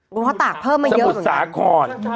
เพราะตากเพิ่มไม่เยอะเหมือนกัน